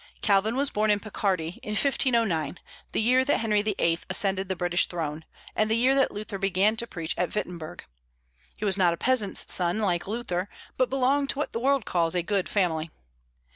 Calvin was born in Picardy in 1509, the year that Henry VIII. ascended the British throne, and the year that Luther began to preach at Wittenberg. He was not a peasant's son, like Luther, but belonged to what the world calls a good family.